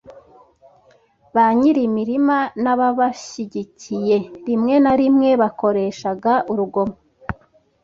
ba nyir'imirima n’ababashyigikiye rimwe na rimwe bakoreshaga urugomo.